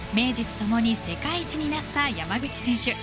ともに世界一になった山口選手。